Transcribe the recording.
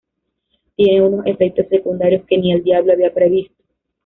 tiene unos efectos secundarios que ni el diablo había previsto